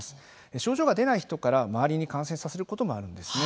症状が出ない人から周りに感染させることもあるんです。